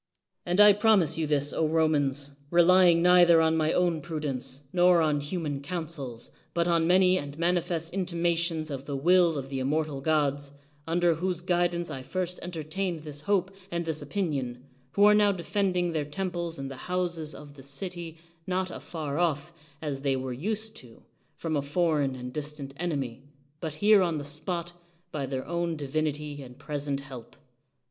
And I promise you this, Romans, relying neither on my own prudence, nor on human counsels, but on many and manifest intimations of the will of the inmiortal gods; under whose guidance I first entertained this hope and this opinion; who are now defending their temples and the houses of the city, not afar off, as they were used to, from a foreign and distant enemy, but here on the spot, by their own divinity and present help.